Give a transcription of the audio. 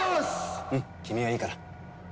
うん君はいいから。